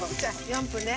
４分ね。